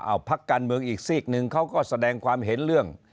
เอาพักการเมืองอีกซีกหนึ่งเขาก็แสดงความเห็นเรื่อง